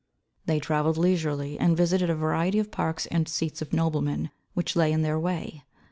They travelled leisurely and visited a variety of parks and seats of noblemen which lay in their way.